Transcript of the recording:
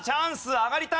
上がりたい。